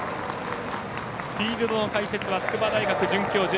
フィールドの解説は筑波大学准教授